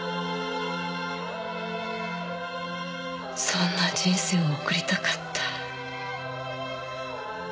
そんな人生を送りたかった。